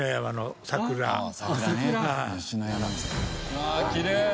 うわあきれい。